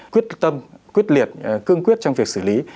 quyết tâm quyết liệt cương quyết trong việc xử lý